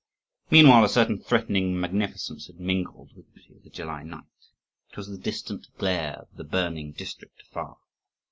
Meanwhile a certain threatening magnificence had mingled with the beauty of the July night. It was the distant glare of the burning district afar.